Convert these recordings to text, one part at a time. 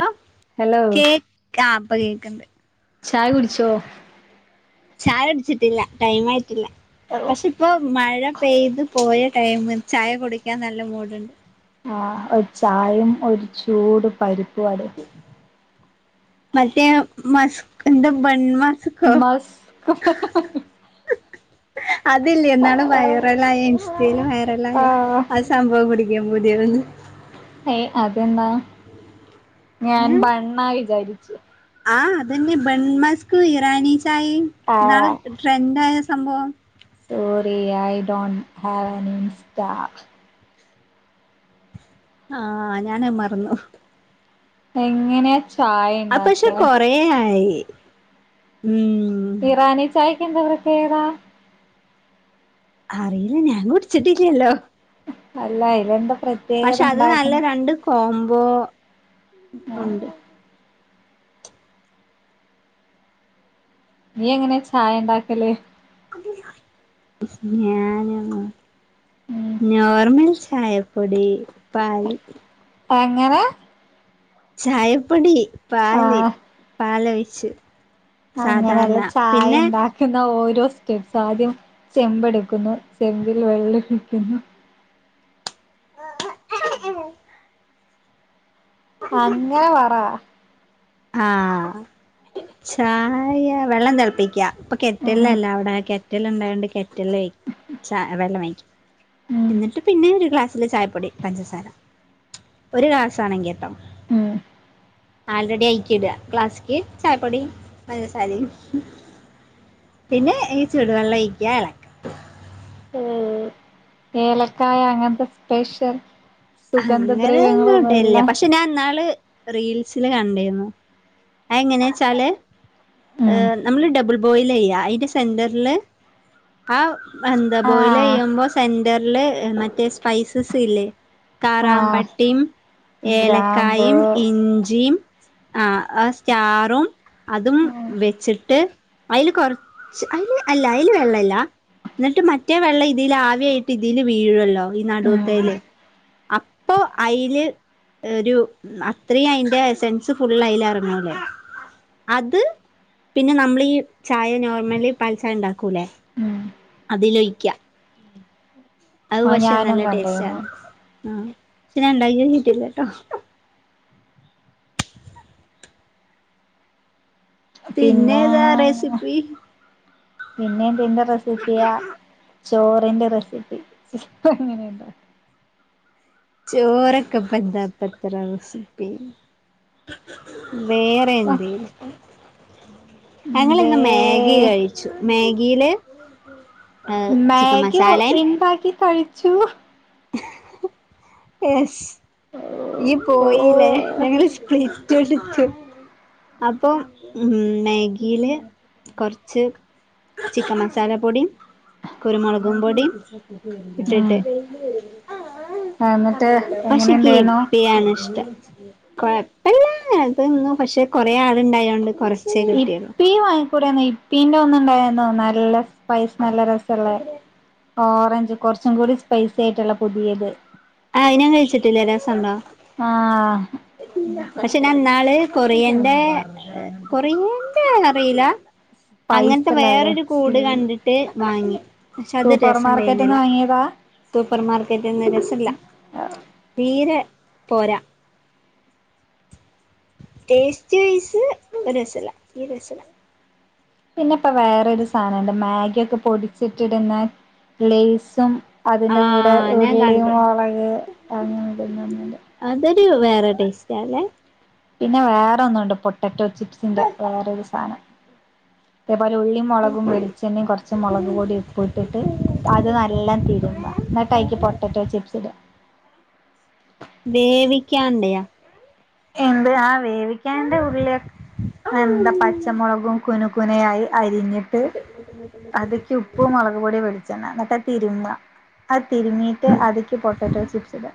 Hello hello കേക്കാം ആ ഇപ്പ കേക്ക്ണ്ട് ചായ കുടിച്ചോ ചായുട്ച്ചിട്ടില്ല ടൈമ് ആയിട്ടില്ല പക്ഷെ ഇപ്പോ മഴ പെയ്ത് പോയ ടൈമ് ചായ കുടിക്കാൻ നല്ല മൂഡ്ണ്ട് ആഹ് ഒരു ചായയും ഒരു ചൂട് പരിപ്പ് വടേം മറ്റേ മസ്ക്ക എന്താ ബൺമ്മ മസ്ക്ക അതില്ലേ ഇന്നാള് വൈറലായി ഇൻസ്റ്റീല് വൈറലായ ആഹ് ആ സംഭവം കുടിക്കാൻ പൂതിയാവുന്നു ഏയ് അത് എന്നാ ഞാൻ ബണ്ണാ വിചാരിച്ച് ആഹ് അതന്നെ ബെൺ മസ്ക് ഇറാനി ചായിം ഇന്നാള് ആഹ് ട്രെൻഡ് ആയ സംഭവം story I don't have an insta- ആഹ് ഞാനഅ് മറന്നു എങ്ങനെച് അപക്ഷേ കൊറെ ആയി ഉം ഇറാനി ചായക്ക് എന്താ പ്രത്യേകത അറിയില്ല ഞാൻ കുടിച്ചിട്ടില്ലല്ലോ അല്ല അയ്നന്താ പ്രത്യേക് പക്ഷേ അത് നല്ല രണ്ട് കോമ്പോ- ഏഹ് നീ എങ്ങനെ ചായ ഇണ്ടാക്കല് ഞ്യാനന്നും ഉം നോർമൽ ചായപ്പൊടി പാൽ എങ്ങനെ ചായപ്പൊടി പാൽ ആഹ് പാലൊഴിച്ച്. അങ്ങനെല്ല സാധാരണ പിന്നെ ചായണ്ടാ ക്ക്യുന്ന ഓരോ സ്റ്റെപ്സ് ആദ്യം ചെമ്പടുക്കുന്നു ചെമ്പിൽ വെള്ളം ഒഴിക്കുന്നു. അങ്ങനെ പറ ആഹ് ചായ വെള്ളം തിളപ്പിക്കാ- ഇപ്പ ഉം കെറ്റൽലല്ലാ അവിടെ കെറ്റല്ണ്ടായോണ്ട് കെറ്റലയ് ചായവെള്ളം വയ്ക്കും ഉം ഇന്നിട്ട് പിന്നെ ഒരു ഗ്ലാസ്സില് ചായപ്പൊടി പഞ്ചസാര ഒരു ഗ്ലാസ്സ് ആണെങ്കിട്ടോ ഉം അല്ലടി ഐക്കിടാ ക്ലാസ്ക്ക് ചായപ്പൊടിയും പഞ്ചസാരയും പിന്നെ ഈ ചൂട് വെള്ളം ഒഴിക്കുക. ഉം ഏലക്കായ അങ്ങൻത്തെ സ്പെഷ്യൽ അങ്ങനെന്നു സുഗന്ധദ്രവ്യങ്ങളൊന്നുമില്ല ഇടൽല്യ പക്ഷേ ഞാൻ ഇന്നാള് റീൽസില് കണ്ടിരുന്നു. അതെങ്ങനെച്ചാല് ഉം നമ്മള് ഡബ്ൾ ബോയിലെയ്യാ അതിന്റെ സെന്ററില് ആഹ് എന്താ ആഹ് ബോയിലയ്യുമ്പോ സെന്റർല് മറ്റേ സ്പൈസസ് ഇല്ലേ ആഹ് കാറാമ്പട്ടിം ഗ്രാമ്പൂ ഏലക്കായിം ഇഞ്ചിം ആഹ് അസ്റ്റാറും അതും ഉം വെച്ചിട്ട് ഐല് കൊറ ച്ച് ഐല് അല്ല ഐല് വെള്ളല്ല ന്നിട്ട് മറ്റേ വെള്ളം ഇതിൽ ആവിയായിട്ട് ഇതില് വീഴൊല്ലോ. ഈ ഉം നടൂത്തയ്ല് അപ്പോ ഐല് ഒരു അത്രയും ഐന്റെ സെൻസ് ഫുള്ളയ്ല് അറങ്ങൊലേ അത് പിന്നെ നമ്മൾ ഈ ചായ നോർമലി പാൽചായണ്ടാക്കൂലേ ഉം അതിലൊഴിക്ക്യ അത് പക്ഷേ ഞാനും നല്ല ടേസ്റ്റാ കണ്ടിരുന്നു ആഹ് ഞാൻ ഉണ്ടാക്കി നോക്കിയിട്ടില്ലട്ടോ. പിന്നെ ഏതാ റെസിപ്പി പിന്നെ എന്തിന്റെ റെസിപ്പിയാ ചോറിന്റെ റെസിപ്പി ചോറക്കെപെന്താപത്ര റെസിപ്പി. വേറെ എന്തേലൊക്കെ ഞങ്ങൾ ദേ ഇന്ന് മേഗി കഴിച്ചു മേഗീല് മേഗി ഇണ്ടാക്കി കഴിച്ചു. എസ് ഈ ഓ പോയീലേ ഞങ്ങള് സ്പ്ലിറ്റ് എടുത്തു. അപ്പോ ഉം മേഗീല് കൊർച്ച് ചിക്കൻ മസാല പൊടിം കുരുമുളങ്കുപൊടിം ഉം ഇട്ടിട്ട്. എന്നിട്ട് പക്ഷേ എനിക്ക് എങ്ങനെണ്ടായിരുന്നു ഹിപ്പിയാണ് ഇഷ്ടം. കൊഴപ്പല്ല്യന്നേ തിന്നു പക്ഷെ കൊറെയാള്ണ്ടായോണ്ട് കൊറച് ഇപ്പി വാങ്ങിക്കൂടാന്നോ ഇപ്പിന്റെ ഒന്നുണ്ടായിരുന്നോ നല്ല സ്പൈസ് നല്ല രസള്ളേ ഓറഞ്ചു കൊറച്ചുംകൂടി സ്പൈസിയായിട്ടുള്ള പുതിയത് ഐഞാൻ കഴിച്ചിട്ടില്ലാരസണ്ടോ ആഹ് പക്ഷെ ഞാൻന്നാള് കൊറിയന്റെ കൊറിയന്റെന്നറീല അങ്ങൻത്തെ പൈസള്ളല്ലേ വേറൊരു കൂട്കണ്ടിട്ട് വാങ്ങി പക്ഷെ അതൊരു സൂപ്പർ രസണ്ടയ്ന്നില മാർക്കറ്റ്ന്ന് വാങ്ങിയതാ സൂപ്പർ മാർക്കറ്റീന്ന് രസമില്ല തീരെ പോരാ ടേസ്റ്റുവേയ്സ് ഒരു രസമില്ല തീരെ രസമില്ല പിന്നെയിപ്പം വേറൊരു സാധനമുണ്ട് മാഗിയൊക്കെ പൊടിച്ചിട്ടിടുന്ന ലേയ്സും അതിൻ്റെ കൂടെ ആഹ് ഞാൻ ഉള്ളി, കണ്ട് മുളക് ഇങ്ങനെ ഇടുന്നുണ്ട് അതൊരു വേറെ ടേസ്റ്റാല്ലേ പിന്നെ വേറൊന്നുമുണ്ട്. പൊട്ടാറ്റോ ചിപ്സിന്റെ വേറൊരു സാധനം അതേപോലെ ഉള്ളിയും, മുളകും, വെളിച്ചെണ്ണയും കുറച്ച് മുളകുപൊടിയും, ഉപ്പും ഇട്ടിട്ട് അത് നല്ല തിരുമ്പാ എന്നിട്ടതിലേക്ക് പൊട്ടാറ്റോ ചിപ്സിടുക വേവിക്കൻണ്ടേ എന്ത് ആഹ് വേവിക്കാണ്ടെ ഉള്ളി എന്താ പച്ചമുളകും കുനുകുനെയായി അരിഞ്ഞിട്ട് അതിലേക്കു ഉപ്പ്, മുളകുപൊടി വെളിച്ചെണ്ണ എന്നിട്ടതു തിരുമ്മുക, അത് തിരുമിയിട്ട് അതിലേക്കു പൊട്ടാറ്റോ ചിപ്സിടുക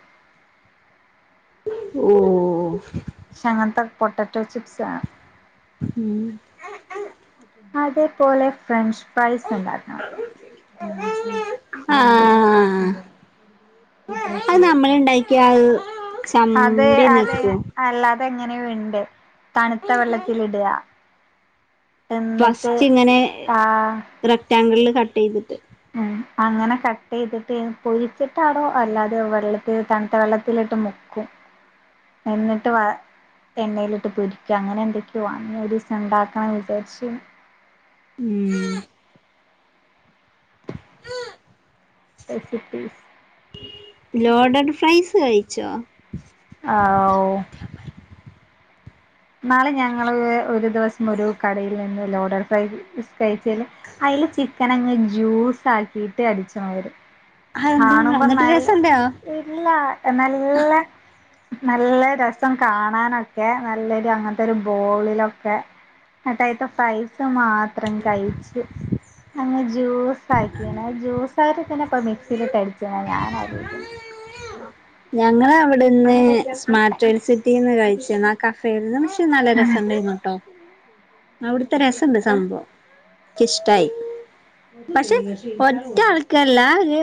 ഓ ഓ ഓഹോ പക്ഷെ അങ്ങൻത്തെ പൊട്ടാറ്റോ ചിപ്സാവണം ഉം അതേപോലെ ഫ്രഞ്ചു ഫ്രൈസു ഉണ്ടാക്കണം ആഹ് അത് നമ്മളുണ്ടാക്കിയാലത് അത് ചമ്പി അത് നിൽക്കോ അല്ലാതെ എങ്ങനെയോ ഇണ്ട് തണുത്ത വെള്ളത്തിലിടുക എന്നിട്ട് ആഹ് റെക്ടാങ്കിളിൽ കട്ടു ചെയ്തിട്ട് [unintelligible] അങ്ങനെ കട്ടുചെയ്തിട്ട് പൊഴിച്ചിട്ടാണോ അല്ലാതെയോ വെള്ളത്തിൽ തണുത്ത വെള്ളത്തിലിട്ടുമുക്കും എന്നിട്ടു വഴ എണ്ണയിലിട്ടു പൊരിക്കുക അങ്ങനെയെന്തൊക്കെയോവാ, ഒരു ദിവസം ഉണ്ടാക്കണമെന്നു വിചാരിച്ച്ണ് ഉം കഴിച്ചിട്ട് ലോഡഡ് ഫ്രൈസു കഴിച്ചോ ആഹ്, ഓ ഇന്നാളു ഞങ്ങള് ഒരു ദിവസം ഒരു കടയിൽ നിന്നു ലോഡർ ഫ്രൈസ് കഴിച്ചത് അതിലു ചിക്കനങ്ങു ജ്യൂസാക്കിയിട്ട് അടിച്ച മാതിരി അതെന്താ കാണുമ്പോ എന്നിട്ട് നല്ല രസണ്ടോ ഇല്ല, നല്ല നല്ല രസം കാണാനൊക്കെ നല്ല അങ്ങനത്തെയൊരു ബോളിലൊക്കെ അതായതു ഫ്രൈസുമാത്രം കഴിച്ച് അങ്ങനെ ജ്യൂസാക്കിണേ ജ്യൂസായി കിട്ടണപ്പം മിക്സിയിൽ ഇട്ട് അടിച്ചീണോ ഞാനാലോചിക്കുന്നേ ഞങ്ങള് അവിടെ നിന്ന് സ്മാർട്ടിറ്റ് സിറ്റിയിൽ നിന്നു കഴിച്ച്ണ് കഫേയിൽ നിന്ന് അത് നല്ല രസമുണ്ടായിന്നു കേട്ടോ, അവിടുത്തെ രസമുണ്ട് സംഭവം എനിക്കി ഇഷ്ടായി പക്ഷെ ഒറ്റയാൾക്കല്ലാ ഒരു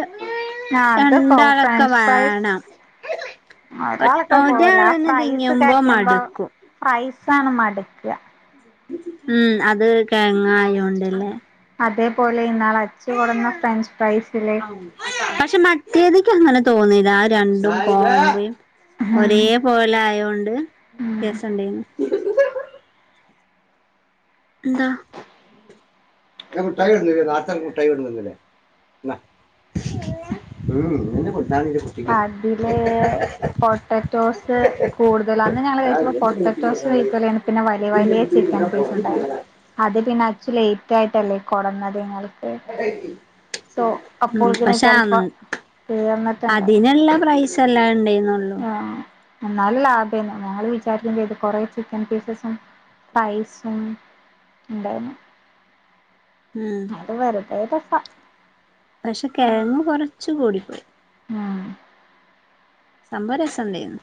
ആഹ് അത് രണ്ടാളൊക്കെ വേണം [unintelligible] ഒരാളൊക്കെ പോരാ ഒരാളന്നെ ഫ്രൈസു തിന്നുമ്പോ കഴിക്കുമ്പോ മടുക്കും പ്രൈസാണ് മടുക്കുക ഉം, അത് [unintelligible] ഉണ്ടല്ലേ അതേപോലെ ഇന്നാള് അച്ചു കൊടന്ന ഫ്രഞ്ച് ഫ്രൈസില്ലേ പക്ഷെ മറ്റേതിക്കങ്ങനെ തോന്നീല്ല ആ രണ്ടും [inaudible] ഉം ഒരേ പോല ആയോണ്ട് ഉം രസം ഇണ്ടേനു. ന്താ ഞാൻ മുട്ടായി കൊടന്നിലെ നേരത്തെ അനക്ക് മുട്ടായി കൊടന്നന്നിലെ [unintelligible] അതില് പൊട്ടറ്റോസ് കൂടുതലാ. അന്ന് ഞങ്ങള് ആഹ് കഴിച്ചപ്പോ ഇതന്നെ ഇന്റെ കുട്ടിക്ക് പൊട്ടറ്റോസ് കൊടുത്താണ് ഇത് കയ്ക്കൂല്ല. പിന്നെ വലിയ ഇന്റെ വലിയ കുട്ടിക്ക് ചിക്കൻ തീരെ പോരാ പീസ് ഇത് ഉണ്ടായിരുന്നു. ജീവനാ അത് പിന്നെ അച്ചൻ ലേറ്റായിട്ടല്ലേ കൊടന്നത് സോ അപ്പോൾക്കിന് ചെലപ്പോ തീർന്നിട്ട് അതിന്ള്ള പ്രൈസെല്ലാം ഇണ്ടേയ്ന്നൊള്ളു. ആഹ് ന്നാലും ലാഭേന്നു. ഞങ്ങള് വിചാരിക്കും ചെയ്തു കൊറെ ചിക്കൻ പീസസും റൈസും ഇണ്ടായിന്നു. ഉം പക്ഷെ കെഴങ്ങ് കൊറച്ച് കൂടിപ്പോയി. ഉം സംഭവം രസണ്ടേന്നു.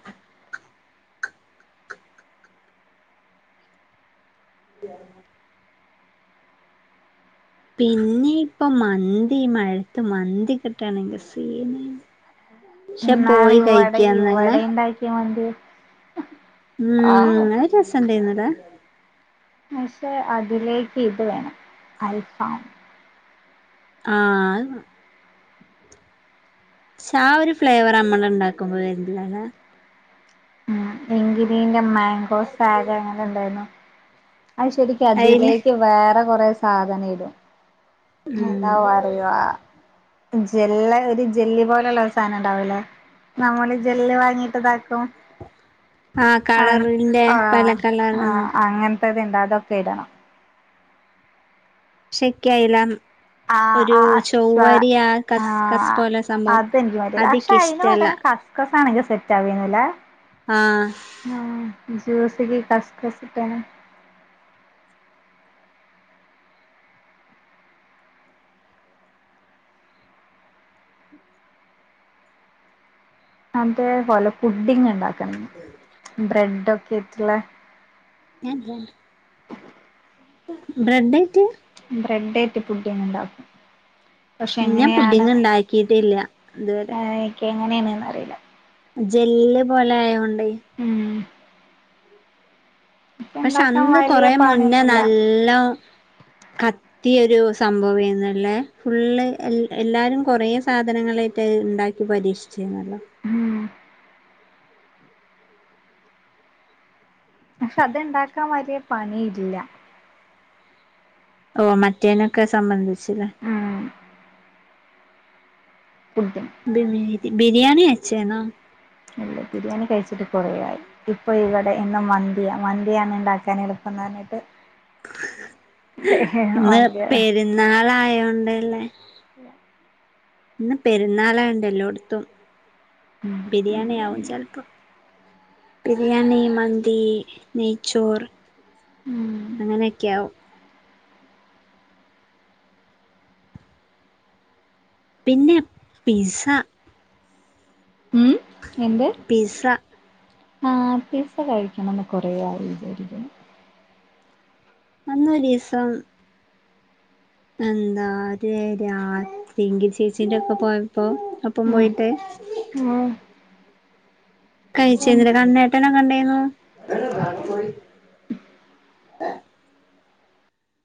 [inaudible] പിന്നെ ഇപ്പൊ മന്തി മഴത്ത് മന്തി കിട്ടാണെങ്കി സീനേന്നു. പക്ഷെ പോയി കഴിക്കാ നല്ലേ? ണ്ടാക്കിയ മന്തി ഉം ആഹ് നല്ല രസണ്ടേന്നുലെ? പക്ഷെ അതിലേക്ക് ഇത് വേണം അൽഫാം. ആഹ് അത് വാ ക്ഷാ ഒരു ഫ്ലേവറ് അമ്മള് ഇണ്ടാക്കുമ്പോ വര്ല്ലാല്ലെ? ആഹ് എങ്കിപീന്റെ മാങ്കോ സാഗ് എങ്ങനെണ്ടായിരുന്നു? അയ്ശരി. ക്ക് അയില് അതിലേക്ക് വേറെ കൊറെ സാധനെടും. ഉം എന്താ പറയാ ജെല്ല് ഒരു ജെല്ലി പോലെള്ള ഒരു സാനണ്ടാവൂല്ലേ? നമ്മള് ജെല്ല് വാങ്ങിട്ട് ഇതാ ക്കും. ആഹ് അങ്ങ് കളറിന്റെ പല ആഹ് കളർ ഉം ആഹ് അങ്ങ ൻത്തത്ണ്ട് അതൊക്കെ ഇടണം. ചിക്കയിലും ആ ആ അസ് ആഹ് കസ് കസ് ആഹ് പോലെ സംഭവം അതെനിക്ക് പറ്റൂല്ല. പക്ഷെ അയിന് അതിക്കിഷ്ടല്ല പകരം ക സ്കസാണെങ്കി സെറ്റാവോന്നിലേ? ആഹ്. ആഹ് ജൂസ്ക്ക് കസ്കസ് ഇട്ട്കഴിഞ്ഞ അതേപോലെ പുഡിങ്ങ് ഇണ്ടാക്കണം ഇഞ്ഞി. ബ്രെഡ് ഒക്കെട്ട്ള്ള ഞാൻ ബ്രെഡ് ആയ്ട്ട് ബ്രെഡായിട്ട് പുഡിങ് ഇണ്ടാക്കും. പക്ഷെ ഞാൻ പുഡിങ് എങ്ങനെയാണ്ന്ന് ഉണ്ടാക്കിട്ടില്ല ഇതുവരെ ആഹ് ഇൻക്ക് എങ്ങനേണ്ന്ന് അറീല്ല. ജെല്ല് പോലെ ആയോണ്ടേ ഉം. ഇപ്പ പക്ഷെ ഉണ്ടാക്കാൻ അന്ന് കുറ വലിയ മുന്നേ പണിയൊന്നുല്ല നല്ലോം ആഹ് പുതിയൊരു സംഭവേന്നുല്ലേ? ഫുള്ള് എല്ല് എല്ലാരും കുറെ സാധനങ്ങളായിട്ടത് ഇണ്ടാ ക്കി പരീക്ഷിച്ചീന്നല്ലോ? ഉം പക്ഷെ അത്ണ്ടാക്കാ വലിയ പണിയില്ല. ഓഹ് മറ്റേനൊക്കെ സംബന്ധിച്ച് ല്ലേ? ഉം പുഡിങ് പിന്നെ ബിരിയാണി വെച്ചേന്നോ? ഇല്ല ബിരിയാണി കഴിച്ചിട്ട് കൊറേ ആയി. ഇപ്പ ഇവിടെ ഇന്ന് മന്തിയാ മന്തിയാണ് ഇണ്ടാക്കാനെള്പ്പന്നർഞ്ഞിട്ട് ഇന്ന് പെര്ന്നാളായോണ്ടല്ലേ ഇന്ന് പെരുന്നാളായോണ്ടാഎല്ലോട്ത്തും ഉം ബിരിയാണി ആവും ചെൽപ്പോ ബിരിയാണി മന്തി നെയ്ച്ചോറ് ഉം അങ്ങനെയെക്കെയാവും പിന്നെ പിസ്സ ഉം എന്ത് പിസ്സ ആഹ് പിസ്സ കഴിക്കണംന്ന് കൊറേ ആയി വിചാരിക്കുന്നു അന്നൊരീസം എന്താ ഒരു രാത്രി ങ്കി ചേച്ചിന്റെ ഒക്കെ പോയപ്പോ അപ്പം പോയിട്ട് ആഹ് കഴിച്ചേന്നിലേ കണ്ണേട്ടനൊക്കണ്ടായിന്നു